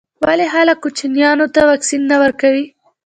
ولي خلګ کوچنیانو ته واکسین نه ورکوي.